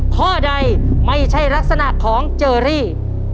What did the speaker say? ข้อใดไม่ใช่ลักษณะของเจอรี่